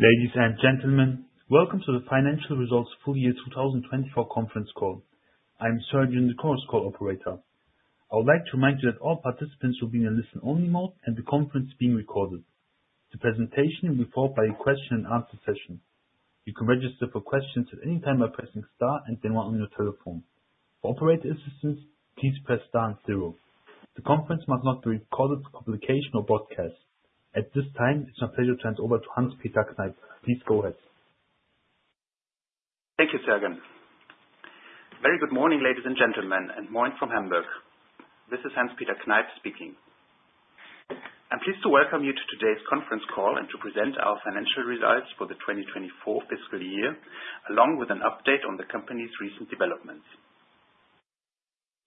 Ladies and gentlemen, welcome to the Financial Results Full Year 2024 conference call. I'm Sergeant, the course call operator. I would like to remind you that all participants will be in a listen-only mode, and the conference is being recorded. The presentation will be followed by a question-and-answer session. You can register for questions at any time by pressing star and then one on your telephone. For operator assistance, please press star and zero. The conference must not be recorded for publication or broadcast. At this time, it's my pleasure to hand over to Hans-Peter Kneip. Please go ahead. Thank you, Sergeant. Very good morning, ladies and gentlemen, and moin from Hamburg. This is Hans-Peter Kneip speaking. I'm pleased to welcome you to today's conference call and to present our financial results for the 2024 fiscal year, along with an update on the company's recent developments.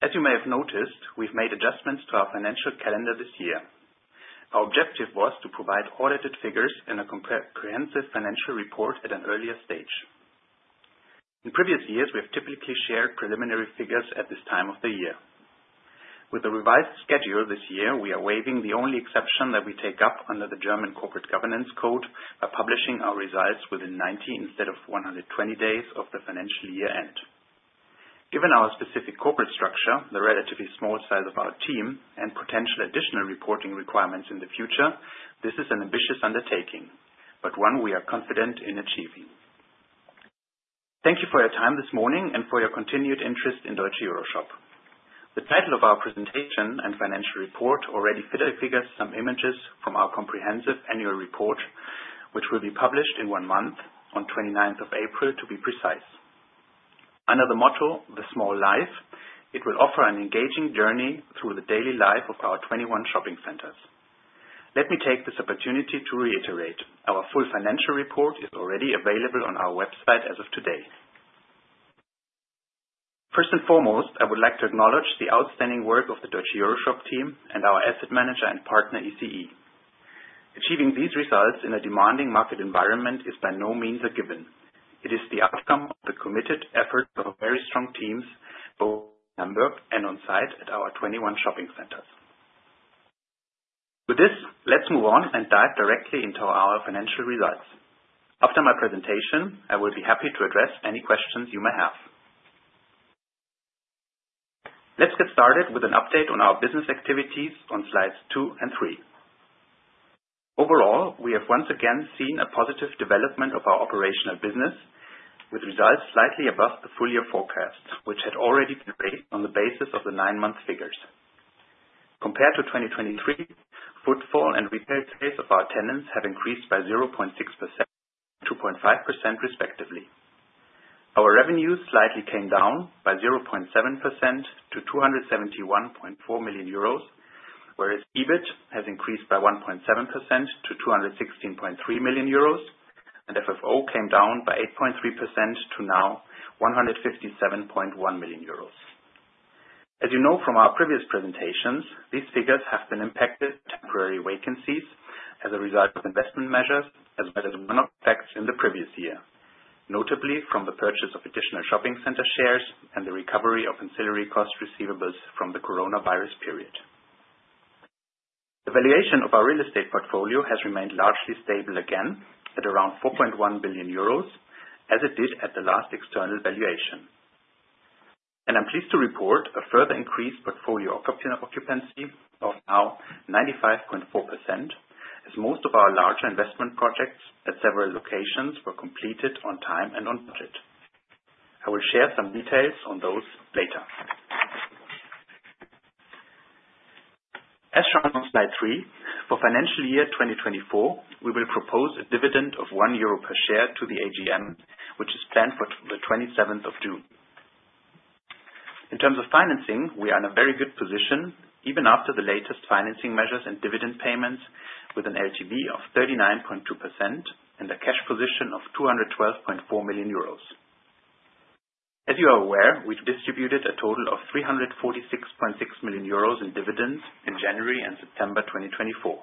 As you may have noticed, we've made adjustments to our financial calendar this year. Our objective was to provide audited figures in a comprehensive financial report at an earlier stage. In previous years, we have typically shared preliminary figures at this time of the year. With a revised schedule this year, we are waiving the only exception that we take up under the German corporate governance code by publishing our results within 90 instead of 120 days of the financial year end. Given our specific corporate structure, the relatively small size of our team, and potential additional reporting requirements in the future, this is an ambitious undertaking, but one we are confident in achieving. Thank you for your time this morning and for your continued interest in Deutsche EuroShop. The title of our presentation and financial report already figures some images from our comprehensive annual report, which will be published in one month, on 29th of April, to be precise. Under the motto "The Mall Life," it will offer an engaging journey through the daily life of our 21 shopping centers. Let me take this opportunity to reiterate: our full financial report is already available on our website as of today. First and foremost, I would like to acknowledge the outstanding work of the Deutsche EuroShop team and our asset manager and partner, ECE. Achieving these results in a demanding market environment is by no means a given. It is the outcome of the committed efforts of very strong teams both in Hamburg and on-site at our 21 shopping centers. With this, let's move on and dive directly into our financial results. After my presentation, I will be happy to address any questions you may have. Let's get started with an update on our business activities on slides two and three. Overall, we have once again seen a positive development of our operational business, with results slightly above the full-year forecast, which had already been based on the basis of the nine-month figures. Compared to 2023, footfall and retail sales of our tenants have increased by 0.6% and 2.5% respectively. Our revenues slightly came down by 0.7% to 271.4 million euros, whereas EBIT has increased by 1.7% to 216.3 million euros, and FFO came down by 8.3% to now 157.1 million euros. As you know from our previous presentations, these figures have been impacted by temporary vacancies as a result of investment measures, as well as run-off effects in the previous year, notably from the purchase of additional shopping center shares and the recovery of ancillary cost receivables from the coronavirus period. The valuation of our real estate portfolio has remained largely stable again at around 4.1 billion euros, as it did at the last external valuation. I am pleased to report a further increased portfolio occupancy of now 95.4%, as most of our larger investment projects at several locations were completed on time and on budget. I will share some details on those later. As shown on slide three, for financial year 2024, we will propose a dividend of 1 euro per share to the AGM, which is planned for the 27th of June. In terms of financing, we are in a very good position, even after the latest financing measures and dividend payments, with an LTV of 39.2% and a cash position of 212.4 million euros. As you are aware, we've distributed a total of 346.6 million euros in dividends in January and September 2024.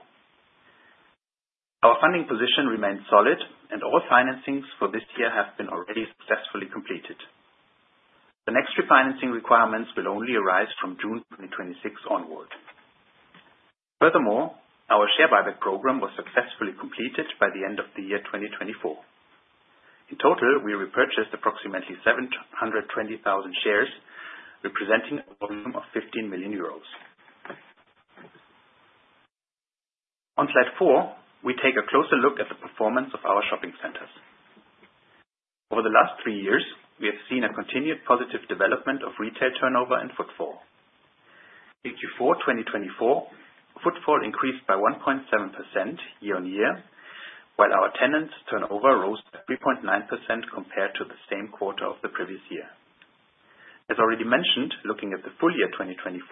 Our funding position remains solid, and all financings for this year have been already successfully completed. The next refinancing requirements will only arise from June 2026 onward. Furthermore, our share buyback program was successfully completed by the end of the year 2024. In total, we repurchased approximately 720,000 shares, representing a volume of 15 million euros. On slide four, we take a closer look at the performance of our shopping centers. Over the last three years, we have seen a continued positive development of retail turnover and footfall. In Q4 2024, footfall increased by 1.7% year on year, while our tenants' turnover rose by 3.9% compared to the same quarter of the previous year. As already mentioned, looking at the full year 2024,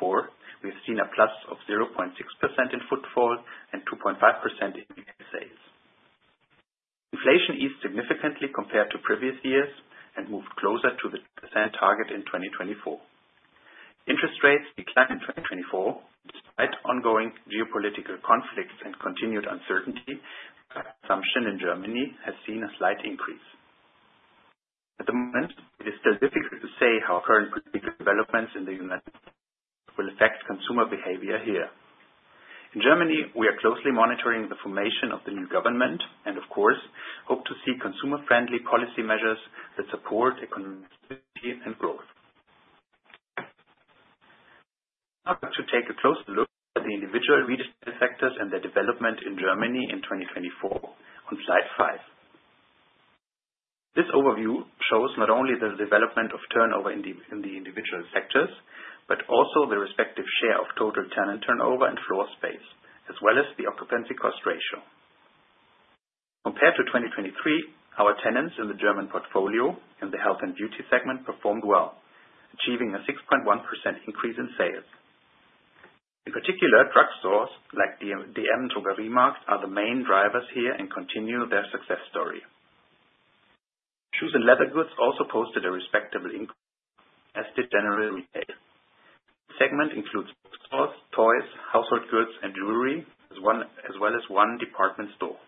we have seen a plus of 0.6% in footfall and 2.5% in retail sales. Inflation eased significantly compared to previous years and moved closer to the 2% target in 2024. Interest rates declined in 2024, despite ongoing geopolitical conflicts and continued uncertainty, but consumption in Germany has seen a slight increase. At the moment, it is still difficult to say how current political developments in the United States will affect consumer behavior here. In Germany, we are closely monitoring the formation of the new government and, of course, hope to see consumer-friendly policy measures that support economic stability and growth. Now, to take a closer look at the individual retail sectors and their development in Germany in 2024, on slide five. This overview shows not only the development of turnover in the individual sectors, but also the respective share of total tenant turnover and floor space, as well as the occupancy cost ratio. Compared to 2023, our tenants in the German portfolio in the health and beauty segment performed well, achieving a 6.1% increase in sales. In particular, drugstores like dm-drogerie markt are the main drivers here and continue their success story. Shoes and leather goods also posted a respectable increase, as did general retail. The segment includes bookstores, toys, household goods, and jewelry, as well as one department store.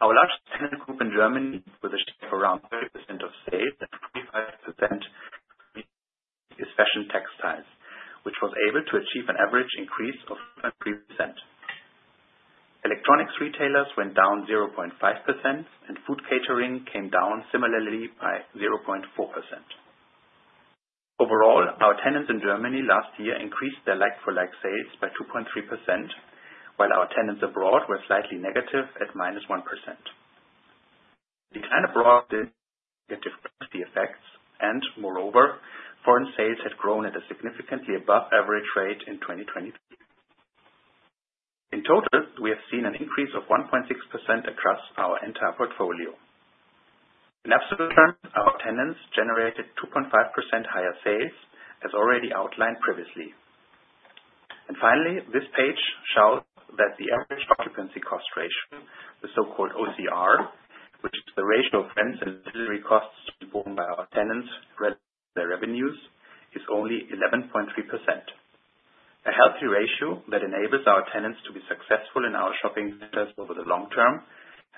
Our largest tenant group in Germany, with a share of around 30% of sales and 45% of retail, is fashion textiles, which was able to achieve an average increase of 2.3%. Electronics retailers went down 0.5%, and food catering came down similarly by 0.4%. Overall, our tenants in Germany last year increased their like-for-like sales by 2.3%, while our tenants abroad were slightly negative at -1%. The decline abroad did negatively affect the effects, and moreover, foreign sales had grown at a significantly above-average rate in 2023. In total, we have seen an increase of 1.6% across our entire portfolio. In absolute terms, our tenants generated 2.5% higher sales, as already outlined previously. Finally, this page shows that the average occupancy cost ratio, the so-called OCR, which is the ratio of rents and utility costs borne by our tenants relative to their revenues, is only 11.3%. A healthy ratio that enables our tenants to be successful in our shopping centers over the long term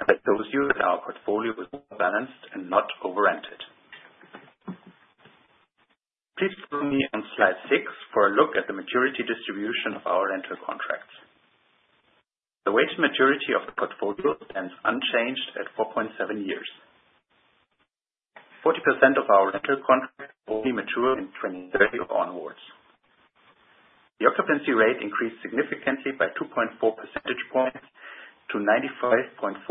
and that shows you that our portfolio is well-balanced and not over-rented. Please follow me on slide six for a look at the maturity distribution of our rental contracts. The weighted maturity of the portfolio stands unchanged at 4.7 years. 40% of our rental contracts only mature in 2030 or onwards. The occupancy rate increased significantly by 2.4 percentage points to 95.4%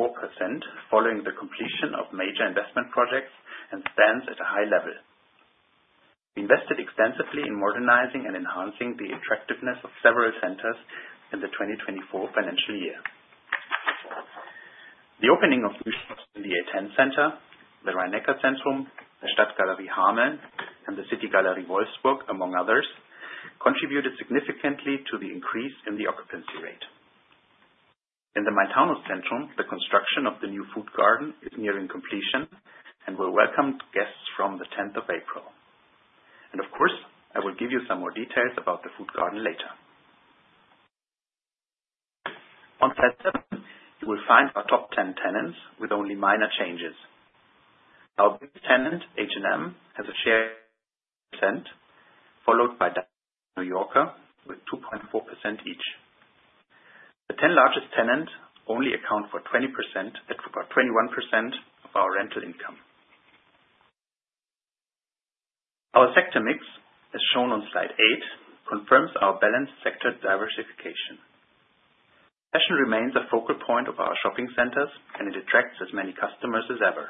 following the completion of major investment projects and stands at a high level. We invested extensively in modernizing and enhancing the attractiveness of several centers in the 2024 financial year. The opening of new shops in the A10 Center, the Rhein-Neckar-Zentrum, the Stadtgalerie Hameln, and the City-Galerie Wolfsburg, among others, contributed significantly to the increase in the occupancy rate. In the Main-Taunus-Zentrum, the construction of the new Food Garden is nearing completion and will welcome guests from the 10th of April. I will give you some more details about the Food Garden later. On slide seven, you will find our top 10 tenants with only minor changes. Our biggest tenant, H&M, has a share of 10%, followed by New Yorker with 2.4% each. The 10 largest tenants only account for about 21% of our rental income. Our sector mix, as shown on slide eight, confirms our balanced sector diversification. Fashion remains a focal point of our shopping centers, and it attracts as many customers as ever.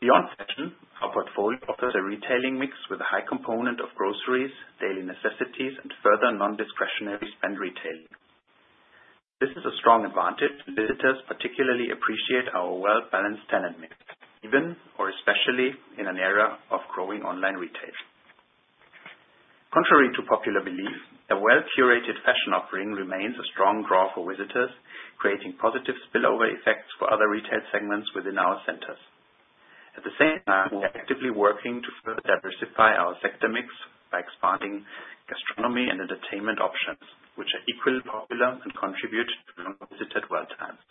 Beyond fashion, our portfolio offers a retailing mix with a high component of groceries, daily necessities, and further non-discretionary spend retailing. This is a strong advantage, and visitors particularly appreciate our well-balanced tenant mix, even or especially in an era of growing online retail. Contrary to popular belief, a well-curated fashion offering remains a strong draw for visitors, creating positive spillover effects for other retail segments within our centers. At the same time, we are actively working to further diversify our sector mix by expanding gastronomy and entertainment options, which are equally popular and contribute to non-visitor dwell times.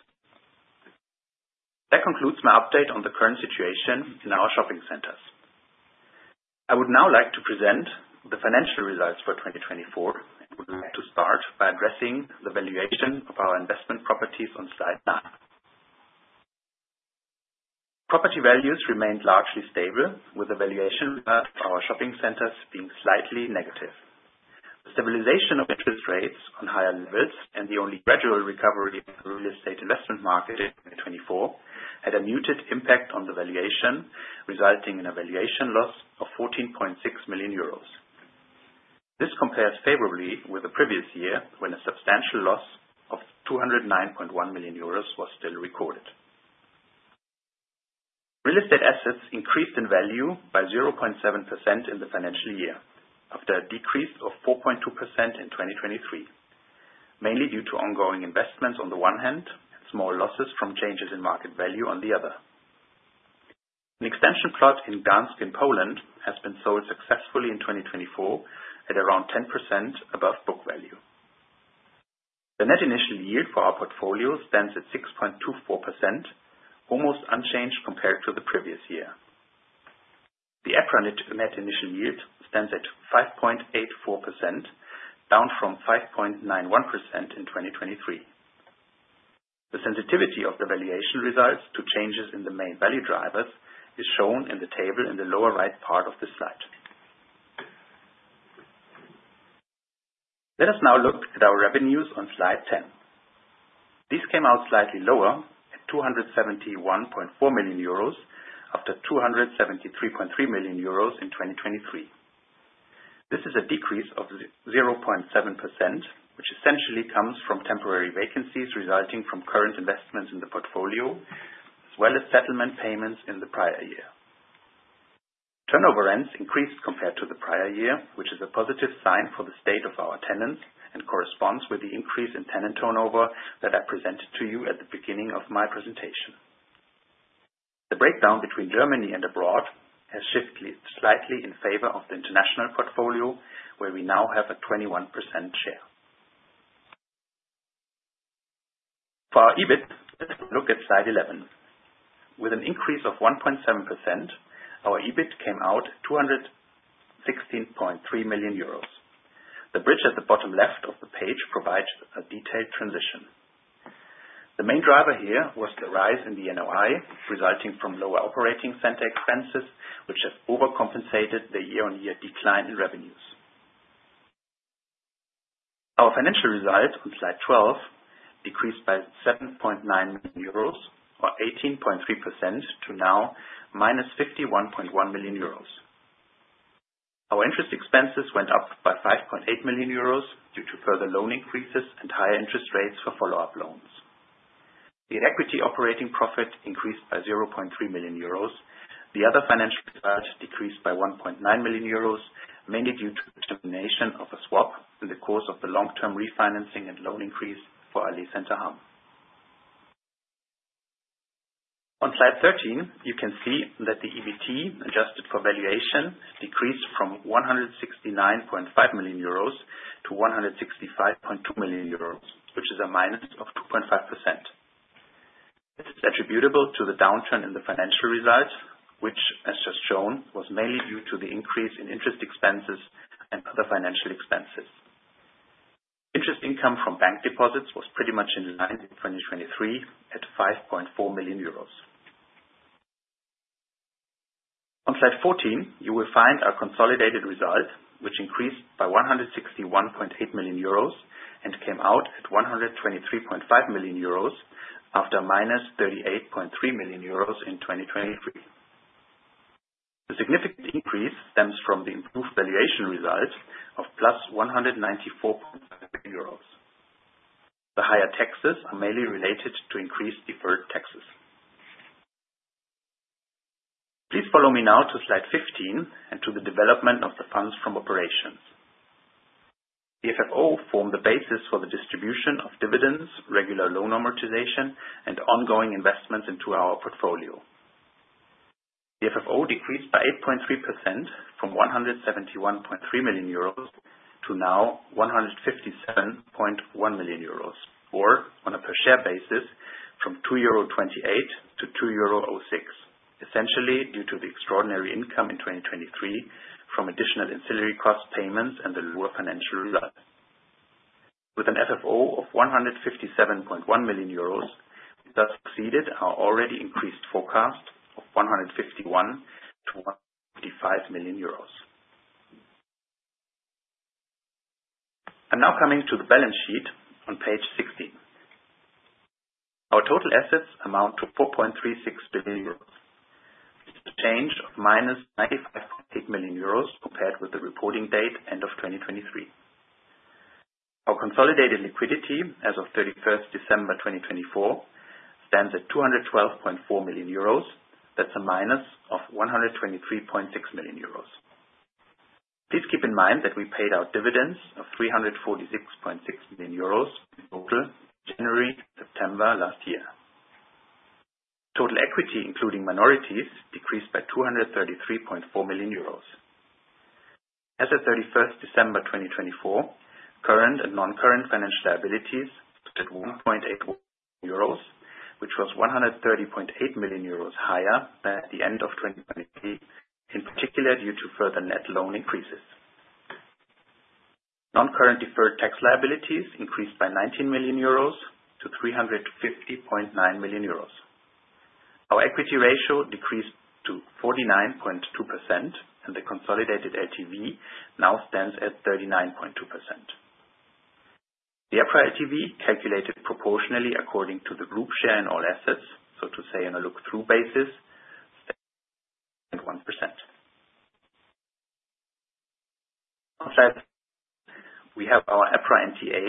That concludes my update on the current situation in our shopping centers. I would now like to present the financial results for 2024, and I would like to start by addressing the valuation of our investment properties on slide nine. Property values remained largely stable, with the valuation of our shopping centers being slightly negative. The stabilization of interest rates on higher levels and the only gradual recovery in the real estate investment market in 2024 had a muted impact on the valuation, resulting in a valuation loss of 14.6 million euros. This compares favorably with the previous year, when a substantial loss of 209.1 million euros was still recorded. Real estate assets increased in value by 0.7% in the financial year, after a decrease of 4.2% in 2023, mainly due to ongoing investments on the one hand and small losses from changes in market value on the other. An extension plot in Gdańsk in Poland has been sold successfully in 2024 at around 10% above book value. The net initial yield for our portfolio stands at 6.24%, almost unchanged compared to the previous year. The EPRA net initial yield stands at 5.84%, down from 5.91% in 2023. The sensitivity of the valuation results to changes in the main value drivers is shown in the table in the lower right part of the slide. Let us now look at our revenues on slide 10. These came out slightly lower at 271.4 million euros, after 273.3 million euros in 2023. This is a decrease of 0.7%, which essentially comes from temporary vacancies resulting from current investments in the portfolio, as well as settlement payments in the prior year. Turnover rents increased compared to the prior year, which is a positive sign for the state of our tenants and corresponds with the increase in tenant turnover that I presented to you at the beginning of my presentation. The breakdown between Germany and abroad has shifted slightly in favor of the international portfolio, where we now have a 21% share. For our EBIT, let's look at slide 11. With an increase of 1.7%, our EBIT came out at 216.3 million euros. The bridge at the bottom left of the page provides a detailed transition. The main driver here was the rise in the NOI, resulting from lower operating center expenses, which have overcompensated the year-on-year decline in revenues. Our financial result on slide 12 decreased by 7.9 million euros, or 18.3%, to now -51.1 million euros. Our interest expenses went up by 5.8 million euros due to further loan increases and higher interest rates for follow-up loans. The equity operating profit increased by 0.3 million euros. The other financial result decreased by 1.9 million euros, mainly due to the termination of a swap in the course of the long-term refinancing and loan increase for Allee-Center Hamm. On slide 13, you can see that the EBT adjusted for valuation decreased from 169.5 million euros to 165.2 million euros, which is a minus of 2.5%. This is attributable to the downturn in the financial result, which, as just shown, was mainly due to the increase in interest expenses and other financial expenses. Interest income from bank deposits was pretty much in line in 2023 at 5.4 million euros. On slide 14, you will find our consolidated result, which increased by 161.8 million euros and came out at 123.5 million euros after -38.3 million euros in 2023. The significant increase stems from the improved valuation result of +194.5 million euros. The higher taxes are mainly related to increased deferred taxes. Please follow me now to slide 15 and to the development of the funds from operations. The FFO formed the basis for the distribution of dividends, regular loan amortization, and ongoing investments into our portfolio. The FFO decreased by 8.3% from 171.3 million euros to now 157.1 million euros, or on a per share basis, from 2.28 euro to 2.06 euro, essentially due to the extraordinary income in 2023 from additional utility cost payments and the lower financial result. With an FFO of 157.1 million euros, we thus exceeded our already increased forecast of 151.1-155 million euros. I'm now coming to the balance sheet on page 16. Our total assets amount to 4.36 billion euros, which is a change of -95.8 million euros compared with the reporting date end of 2023. Our consolidated liquidity as of 31st December 2024 stands at 212.4 million euros. That's a minus of 123.6 million euros. Please keep in mind that we paid out dividends of 346.6 million euros in total in January and September last year. Total equity, including minorities, decreased by 233.4 million euros. As of 31st December 2024, current and non-current financial liabilities totaled 1,810 million euros, which was 130.8 million euros higher than at the end of 2023, in particular due to further net loan increases. Non-current deferred tax liabilities increased by 19 million euros to 350.9 million euros. Our equity ratio decreased to 49.2%, and the consolidated LTV now stands at 39.2%. The EPRA LTV calculated proportionally according to the group share in all assets, so to say on a look-through basis, stands at 0.1%. On slide 11, we have our EPRA NTA,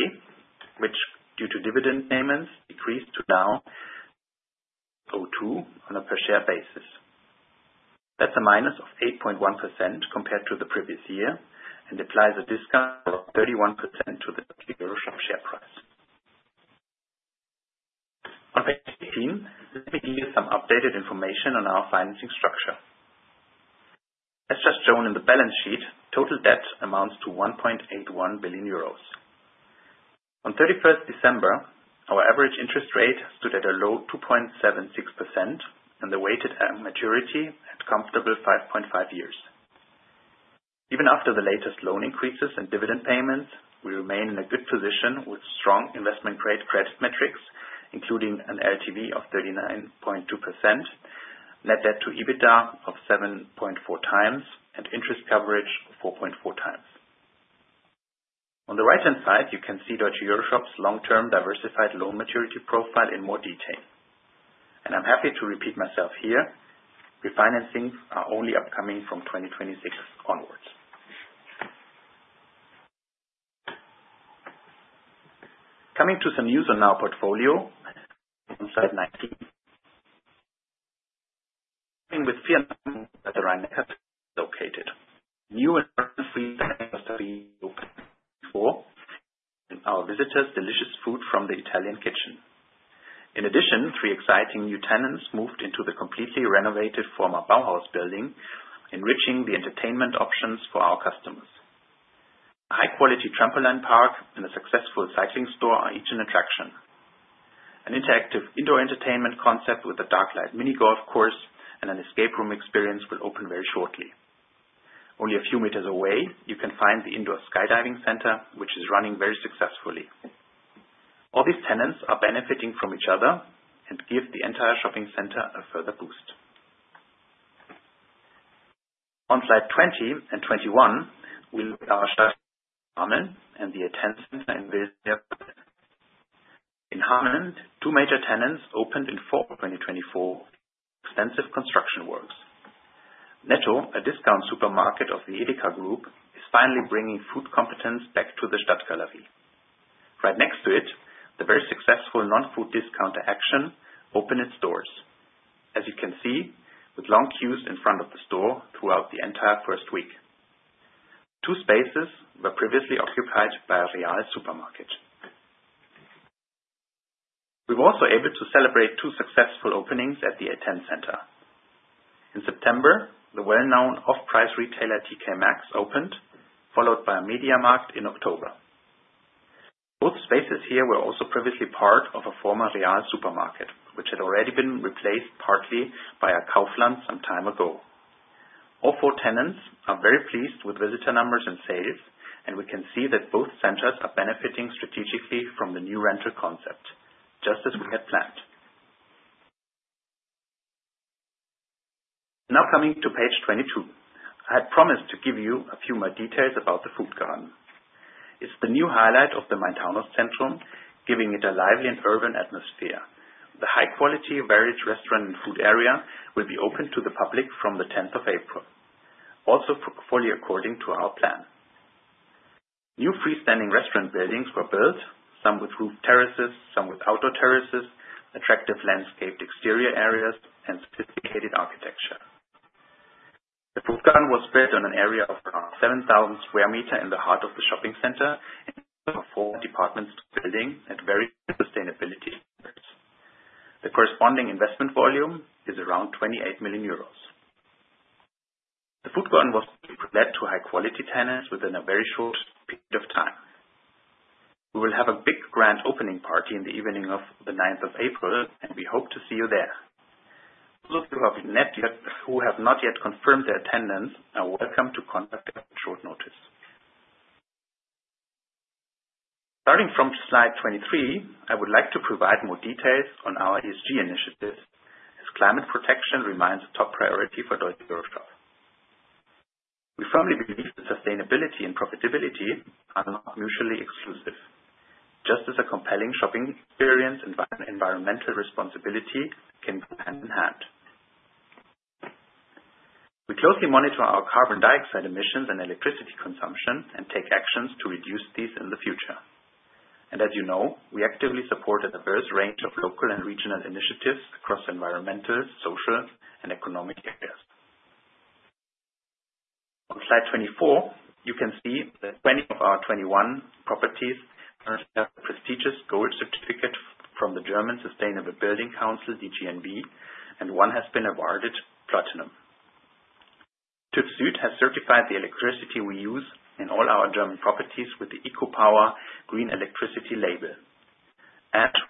which, due to dividend payments, decreased to now 0.02 on a per share basis. That's a minus of 8.1% compared to the previous year and applies a discount of 31% to the EuroShop share price. On page 18, let me give you some updated information on our financing structure. As just shown in the balance sheet, total debt amounts to 1.81 billion euros. On 31st December, our average interest rate stood at a low 2.76%, and the weighted maturity had a comfortable 5.5 years. Even after the latest loan increases and dividend payments, we remain in a good position with strong investment-grade credit metrics, including an LTV of 39.2%, net debt to EBITDA of 7.4x, and interest coverage of 4.4x. On the right-hand side, you can see Deutsche EuroShop's long-term diversified loan maturity profile in more detail. I am happy to repeat myself here, refinancings are only upcoming from 2026 onwards. Coming to some news on our portfolio, on slide 19, we are starting with FiatMans at the Rhein-Neckar-Zentrum located. New and modern food dining was to be opened in 2024, and our visitors delicious food from the Italian kitchen. In addition, three exciting new tenants moved into the completely renovated former Bauhaus building, enriching the entertainment options for our customers. A high-quality trampoline park and a successful cycling store are each an attraction. An interactive indoor entertainment concept with a dark light mini golf course and an escape room experience will open very shortly. Only a few meters away, you can find the indoor skydiving center, which is running very successfully. All these tenants are benefiting from each other and give the entire shopping center a further boost. On slide 20 and 21, we look at our strategy in Hameln and the A10 Center in Wildau. In Hameln, two major tenants opened in fall 2024 for extensive construction works. Netto, a discount supermarket of the Edeka Group, is finally bringing food competence back to the Stadtgalerie. Right next to it, the very successful non-food discounter Action opened its doors. As you can see, with long queues in front of the store throughout the entire first week. Two spaces were previously occupied by a Real supermarket. We were also able to celebrate two successful openings at the A10 Center. In September, the well-known off-price retailer TK Maxx opened, followed by a MediaMarkt in October. Both spaces here were also previously part of a former Real supermarket, which had already been replaced partly by a Kaufland some time ago. All four tenants are very pleased with visitor numbers and sales, and we can see that both centers are benefiting strategically from the new rental concept, just as we had planned. Now coming to page 22, I had promised to give you a few more details about the food garden. It's the new highlight of the Main-Taunus-Zentrum, giving it a lively and urban atmosphere. The high-quality various restaurant and food area will be open to the public from the 10th of April, also fully according to our plan. New freestanding restaurant buildings were built, some with roof terraces, some with outdoor terraces, attractive landscaped exterior areas, and sophisticated architecture. The food garden was spread on an area of around 7,000 square meter in the heart of the shopping center in the form of four departments to the building and various sustainability efforts. The corresponding investment volume is around 28 million euros. The Food Garden was led to high-quality tenants within a very short period of time. We will have a big grand opening party in the evening of the 9th of April, and we hope to see you there. Those of you who have not yet confirmed their attendance are welcome to contact us on short notice. Starting from slide 23, I would like to provide more details on our ESG initiatives, as climate protection remains a top priority for Deutsche EuroShop. We firmly believe that sustainability and profitability are not mutually exclusive, just as a compelling shopping experience and environmental responsibility can go hand in hand. We closely monitor our carbon dioxide emissions and electricity consumption and take actions to reduce these in the future. As you know, we actively support a diverse range of local and regional initiatives across environmental, social, and economic areas. On slide 24, you can see that 20 of our 21 properties currently have a prestigious gold certificate from the German Sustainable Building Council, DGNB, and one has been awarded platinum. TÜV SÜD has certified the electricity we use in all our German properties with the EcoPower Green Electricity label.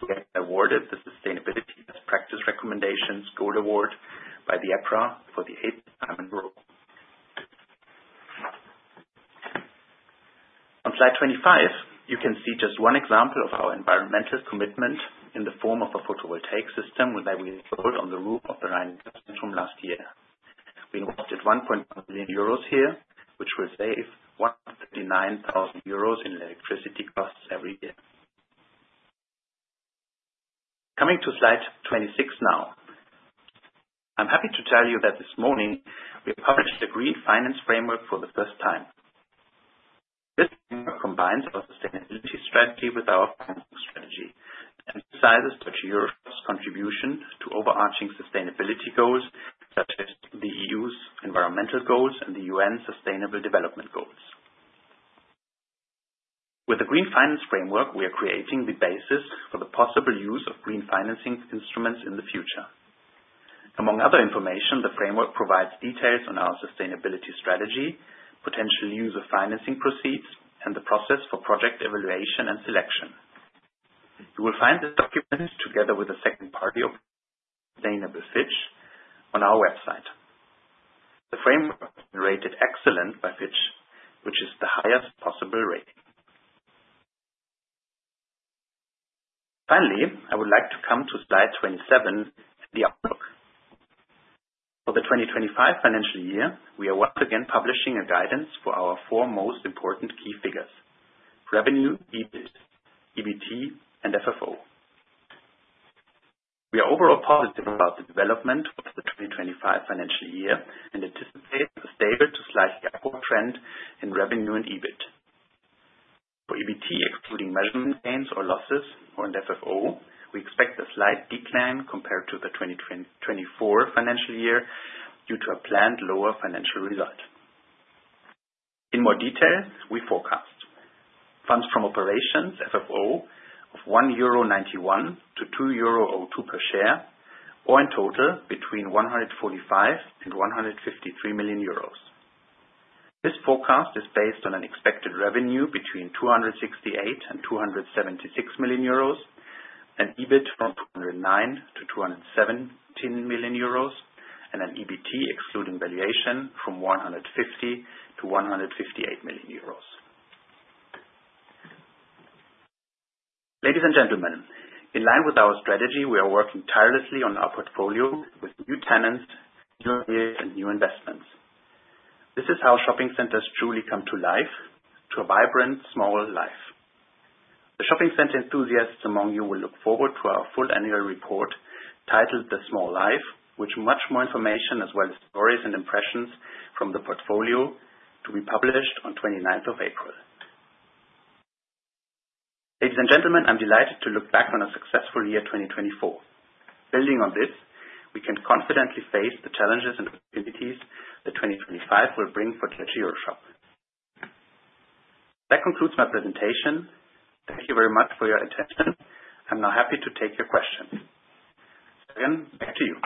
We have been awarded the Sustainability Best Practice Recommendations Gold Award by the APRA for the eighth time in a row. On slide 25, you can see just one example of our environmental commitment in the form of a photovoltaic system that we installed on the roof of the Rhein-Neckar-Zentrum last year. We invested 1.1 million euros here, which will save 139,000 euros in electricity costs every year. Coming to slide 26 now, I'm happy to tell you that this morning we have published a Green Finance Framework for the first time. This framework combines our sustainability strategy with our financing strategy and emphasizes Deutsche EuroShop's contribution to overarching sustainability goals such as the EU's environmental goals and the UN's sustainable development goals. With the Green Finance Framework, we are creating the basis for the possible use of green financing instruments in the future. Among other information, the framework provides details on our sustainability strategy, potential use of financing proceeds, and the process for project evaluation and selection. You will find the document together with a second party opinion of sustainable Fitch on our website. The framework has been rated excellent by Fitch, which is the highest possible rating. Finally, I would like to come to slide 27, the outlook. For the 2025 financial year, we are once again publishing a guidance for our four most important key figures: revenue, EBIT, EBT, and FFO. We are overall positive about the development of the 2025 financial year and anticipate a stable to slightly upward trend in revenue and EBIT. For EBT, excluding measurement gains or losses, and FFO, we expect a slight decline compared to the 2024 financial year due to a planned lower financial result. In more detail, we forecast funds from operations, FFO, of 1.91-2.02 euro per share, or in total between 145 million and 153 million euros. This forecast is based on an expected revenue between 268 million and 276 million euros, an EBIT from 209 million to 217 million euros, and an EBT, excluding valuation, from 150 million to 158 million euros. Ladies and gentlemen, in line with our strategy, we are working tirelessly on our portfolio with new tenants, new ideas, and new investments. This is how shopping centers truly come to life, to a vibrant small life. The shopping center enthusiasts among you will look forward to our full annual report titled "The Mall Life," which will have much more information as well as stories and impressions from the portfolio to be published on 29th of April. Ladies and gentlemen, I'm delighted to look back on a successful year 2024. Building on this, we can confidently face the challenges and opportunities that 2025 will bring for Deutsche EuroShop. That concludes my presentation. Thank you very much for your attention. I'm now happy to take your questions. Again, back to you.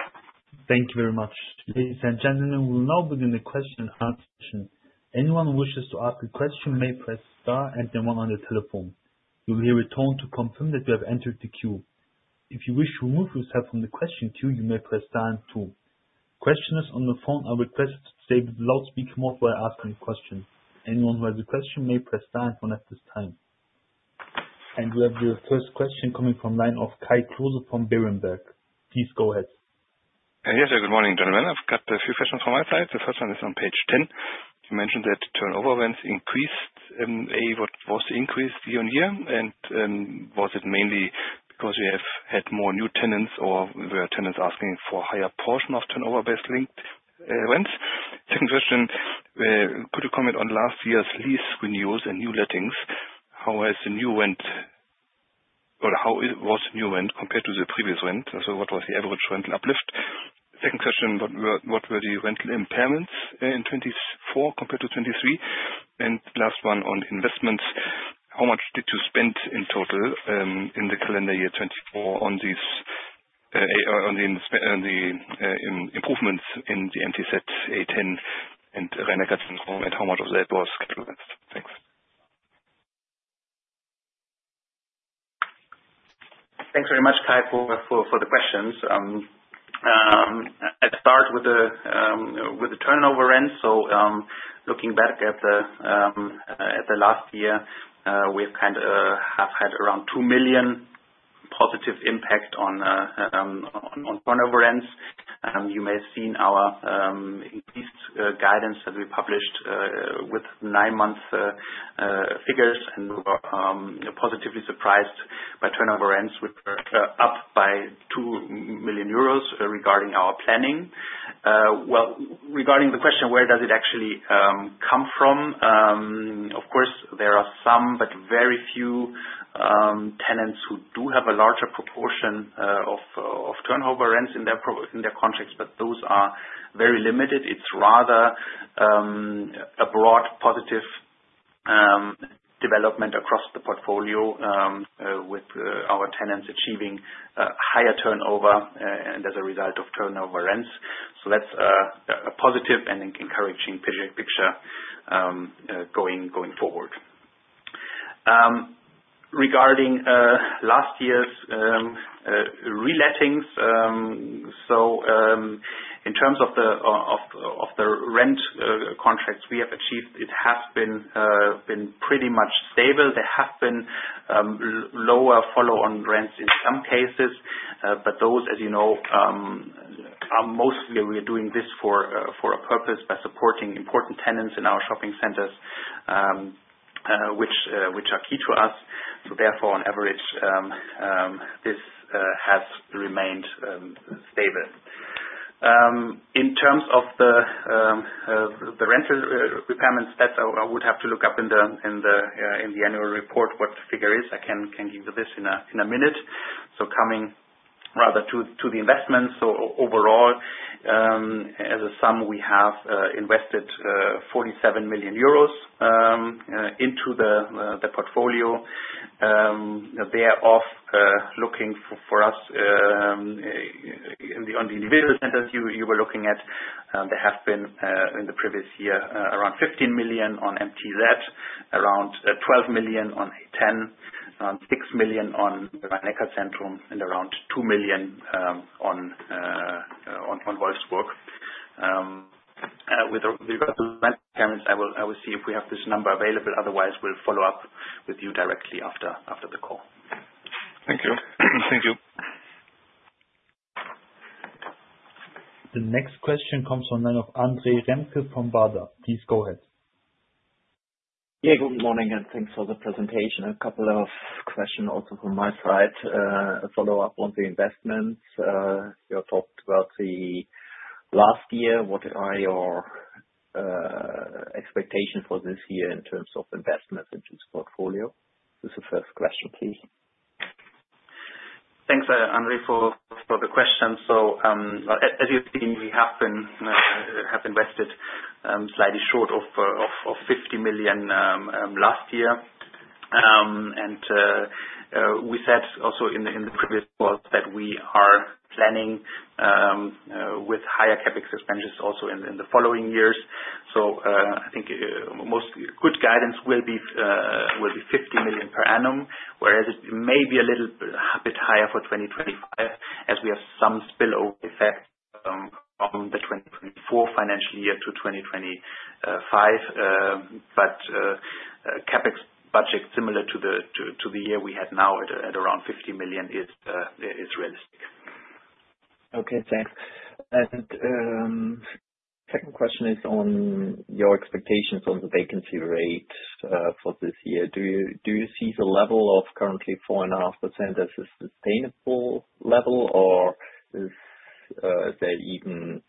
Thank you very much. Ladies and gentlemen, we will now begin the question and answer session. Anyone who wishes to ask a question may press star and one on the telephone. You will hear a tone to confirm that you have entered the queue. If you wish to remove yourself from the question queue, you may press star and two. Questioners on the phone are requested to stay with the loudspeaker mode while asking a question. Anyone who has a question may press star and one at this time. We have the first question coming from the line of Kai Klose from Berenberg. Please go ahead. Yes, hello, good morning, gentlemen. I've got a few questions from my side. The first one is on page 10. You mentioned that turnover events increased. What was the increase year on year? Was it mainly because we have had more new tenants or were tenants asking for a higher portion of turnover-based linked events? Second question, could you comment on last year's lease renewals and new lettings? How has the new rent or how was the new rent compared to the previous rent? What was the average rental uplift? Second question, what were the rental impairments in 2024 compared to 2023? Last one on investments, how much did you spend in total in the calendar year 2024 on these improvements in the MTZ, A10, and Rhein-Neckar-Zentrum? How much of that was capitalized? Thanks. Thanks very much, Kai, for the questions. I'll start with the turnover rent. Looking back at last year, we have had around 2 million positive impact on turnover rents. You may have seen our guidance that we published with nine-month figures, and we were positively surprised by turnover rents, which were up by 2 million euros regarding our planning. Regarding the question, where does it actually come from? Of course, there are some, but very few tenants who do have a larger proportion of turnover rents in their contracts, but those are very limited. It is rather a broad positive development across the portfolio with our tenants achieving higher turnover as a result of turnover rents. That is a positive and encouraging picture going forward. Regarding last year's relettings, in terms of the rent contracts we have achieved, it has been pretty much stable. There have been lower follow-on rents in some cases, but those, as you know, are mostly we are doing this for a purpose by supporting important tenants in our shopping centers, which are key to us. Therefore, on average, this has remained stable. In terms of the rental impairments, that I would have to look up in the annual report what the figure is. I can give you this in a minute. Coming rather to the investments, overall, as a sum, we have invested 47 million euros into the portfolio. Thereof, looking for us on the individual centers you were looking at, there have been in the previous year around 15 million on MTZ, around 12 million on A10, around 6 million on Rhein-Neckar-Zentrum, and around 2 million on Wolfsburg. With regard to rental impairments, I will see if we have this number available. Otherwise, we'll follow up with you directly after the call. Thank you. Thank you. The next question comes from line of André Remke from Baader. Please go ahead. Yeah, good morning, and thanks for the presentation. A couple of questions also from my side. A follow-up on the investments. You talked about the last year. What are your expectations for this year in terms of investments into the portfolio? This is the first question, please. Thanks, André, for the question. As you have seen, we have invested slightly short of 50 million last year. We said also in the previous call that we are planning with higher CapEx expenses also in the following years. I think most good guidance will be 50 million per annum, whereas it may be a little bit higher for 2025 as we have some spillover effect from the 2024 financial year to 2025. CapEx budget similar to the year we had now at around 50 million is realistic. Okay, thanks. Second question is on your expectations on the vacancy rate for this year. Do you see the level of currently 4.5% as a sustainable level, or is there even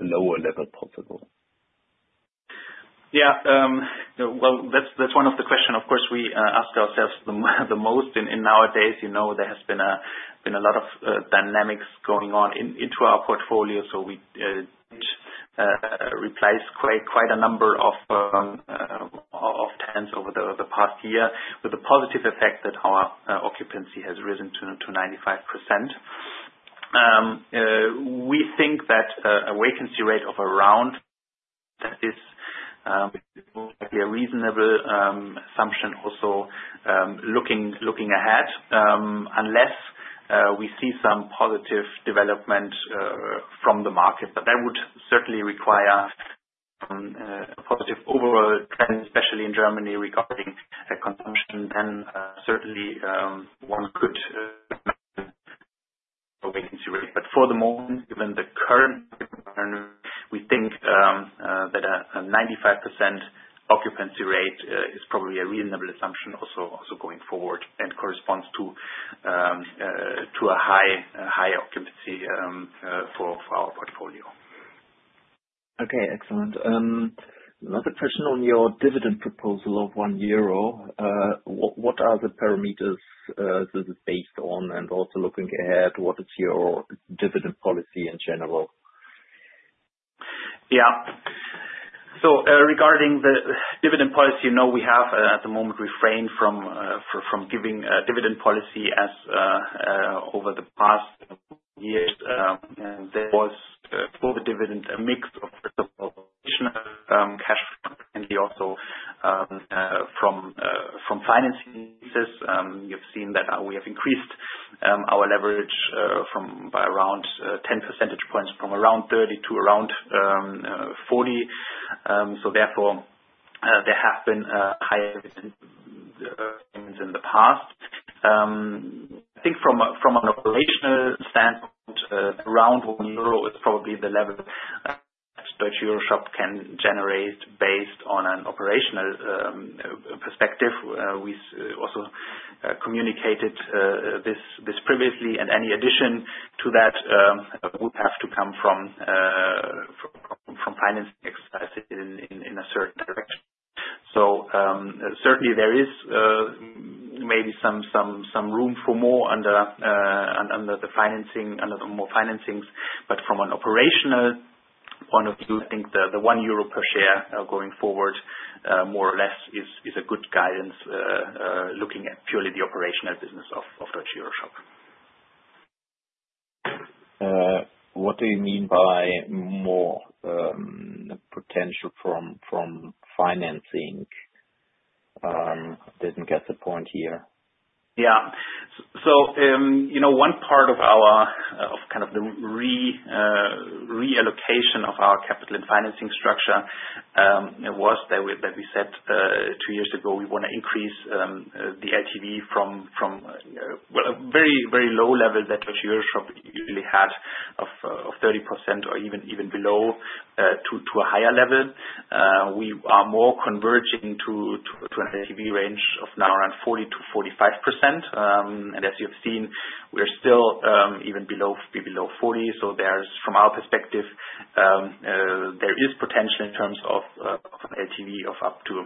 a lower level possible? Yeah, that is one of the questions. Of course, we ask ourselves the most. In nowadays, there has been a lot of dynamics going on into our portfolio. We did replace quite a number of tenants over the past year, with the positive effect that our occupancy has risen to 95%. We think that a vacancy rate of around that is a reasonable assumption also looking ahead, unless we see some positive development from the market. That would certainly require a positive overall trend, especially in Germany regarding consumption. One could imagine a vacancy rate. For the moment, given the current environment, we think that a 95% occupancy rate is probably a reasonable assumption also going forward and corresponds to a high occupancy for our portfolio. Okay, excellent. Another question on your dividend proposal of 1 euro. What are the parameters this is based on? Also looking ahead, what is your dividend policy in general? Yeah. Regarding the dividend policy, we have at the moment refrained from giving dividend policy as over the past years. There was for the dividend a mix of, first of all, additional cash and also from financing cases. You've seen that we have increased our leverage by around 10 percentage points, from around 30 to around 40. Therefore, there have been higher dividends in the past. I think from an operational standpoint, around 1 euro is probably the level that Deutsche EuroShop can generate based on an operational perspective. We also communicated this previously, and any addition to that would have to come from financing exercises in a certain direction. Certainly, there is maybe some room for more under the financing, under more financings. From an operational point of view, I think the 1 euro per share going forward more or less is a good guidance looking at purely the operational business of Deutsche EuroShop. What do you mean by more potential from financing? I did not get the point here. Yeah. One part of kind of the reallocation of our capital and financing structure was that we said two years ago we want to increase the LTV from a very low level that Deutsche EuroShop usually had of 30% or even below to a higher level. We are more converging to an LTV range of now around 40%-45%. As you have seen, we are still even below 40%. From our perspective, there is potential in terms of LTV of up to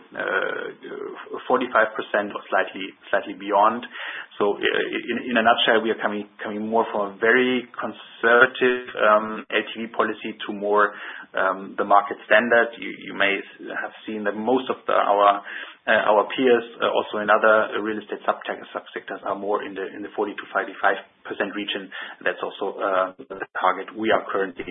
45% or slightly beyond. In a nutshell, we are coming more from a very conservative LTV policy to more the market standard. You may have seen that most of our peers, also in other real estate subsectors, are more in the 40%-55% region. That is also the target we are currently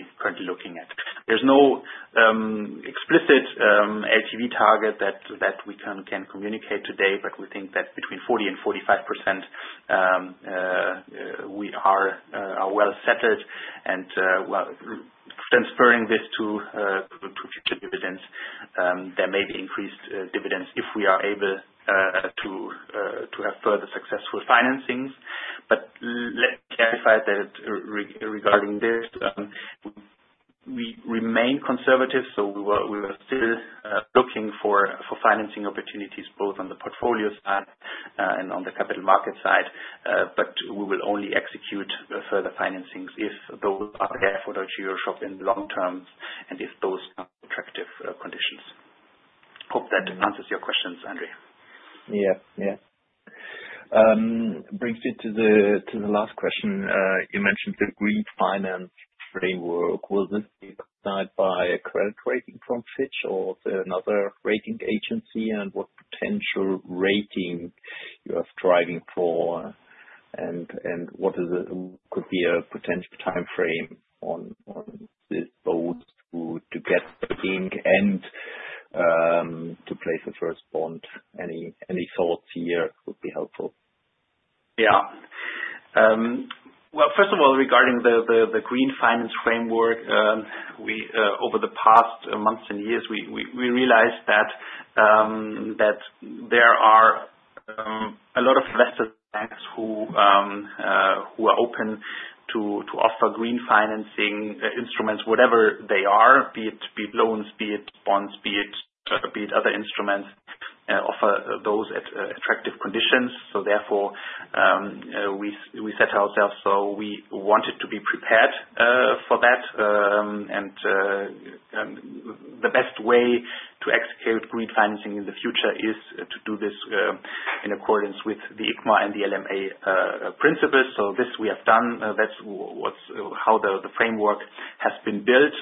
looking at. There's no explicit LTV target that we can communicate today, but we think that between 40%-45%, we are well settled. Transferring this to future dividends, there may be increased dividends if we are able to have further successful financings. Let me clarify that regarding this, we remain conservative. We are still looking for financing opportunities both on the portfolio side and on the capital market side. We will only execute further financings if those are there for Deutsche EuroShop in the long term and if those are attractive conditions. Hope that answers your questions, André. Yeah, yeah. Brings me to the last question. You mentioned the green finance framework. Will this be decided by a credit rating from Fitch or another rating agency? What potential rating you are striving for? What could be a potential time frame on those to get a rating and to place a first bond? Any thoughts here would be helpful. Yeah. First of all, regarding the green finance framework, over the past months and years, we realized that there are a lot of investor banks who are open to offer green financing instruments, whatever they are, be it loans, be it bonds, be it other instruments, offer those at attractive conditions. Therefore, we set ourselves so we wanted to be prepared for that. The best way to execute green financing in the future is to do this in accordance with the ICMA and the LMA principles. This we have done. That's how the framework has been built.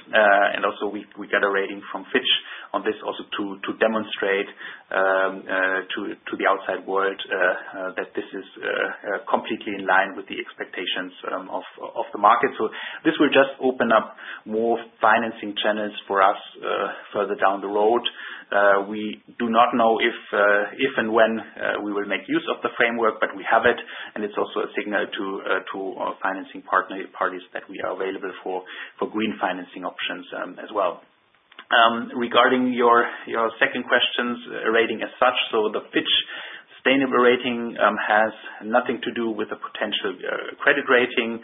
We got a rating from Fitch on this also to demonstrate to the outside world that this is completely in line with the expectations of the market. This will just open up more financing channels for us further down the road. We do not know if and when we will make use of the framework, but we have it. It is also a signal to our financing partners that we are available for green financing options as well. Regarding your second question, rating as such, the Fitch sustainable rating has nothing to do with the potential credit rating.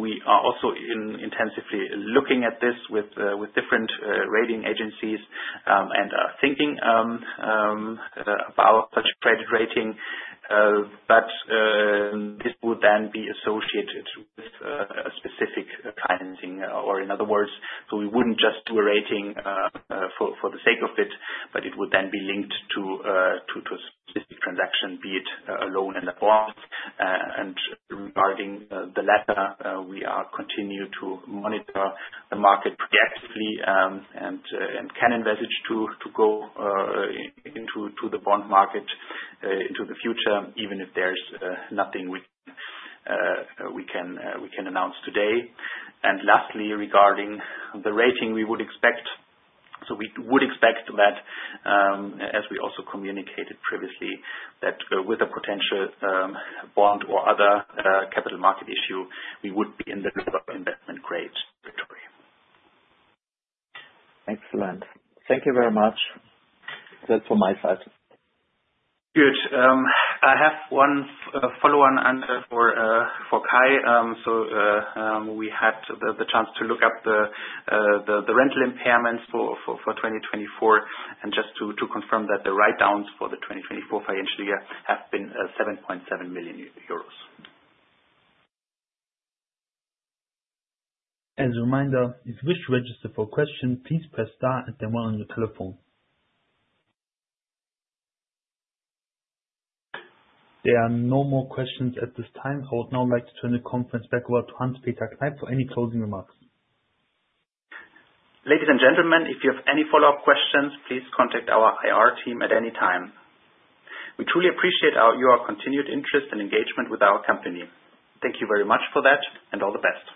We are also intensively looking at this with different rating agencies and are thinking about such credit rating. This would then be associated with a specific financing. In other words, we would not just do a rating for the sake of it, but it would then be linked to a specific transaction, be it a loan and a bond. Regarding the latter, we are continuing to monitor the market preemptively and can envisage going into the bond market in the future, even if there is nothing we can announce today. Lastly, regarding the rating, we would expect, as we also communicated previously, that with a potential bond or other capital market issue, we would be in the investment grade territory. Excellent. Thank you very much. That is all from my side. Good. I have one follow-on for Kai. We had the chance to look up the rental impairments for 2024. Just to confirm that the write-downs for the 2024 financial year have been 7.7 million euros. As a reminder, if you wish to register for a question, please press star and then one on your telephone. There are no more questions at this time. I would now like to turn the conference back over to Hans-Peter Kneip for any closing remarks. Ladies and gentlemen, if you have any follow-up questions, please contact our IR team at any time. We truly appreciate your continued interest and engagement with our company. Thank you very much for that and all the best.